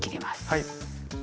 はい。